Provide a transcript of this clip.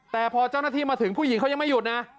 แต่พอเจ้าหน้าที่มาถึงผู้หญิงเขายังไม่หยุดนะ